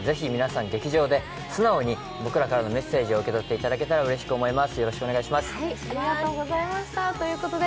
ぜひ皆さん、劇場で素直に僕らからのメッセージを受け取っていただけたらうれしく思います。